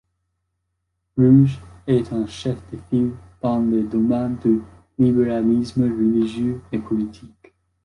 Ruge est un chef de file dans le domaine du libéralisme religieux et politique.